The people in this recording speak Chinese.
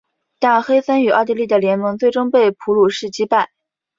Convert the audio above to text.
但黑森与奥地利的联盟最终被普鲁士击败。